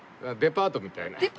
デパートみたいな。